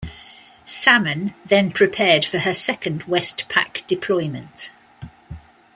"Salmon" then prepared for her second WestPac deployment.